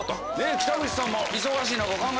北口さんも忙しい中。